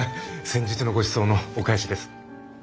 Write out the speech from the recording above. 先日のごちそうのお返しです。